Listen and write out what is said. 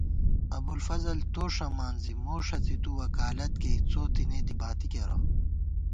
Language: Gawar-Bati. ابُوالفضل تو ݭَمان زی مو ݭڅی تُو وکالت کےڅو تېنےدی باتی کېرہ